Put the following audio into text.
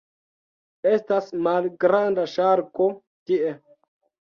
Estas malgranda ŝarko tie.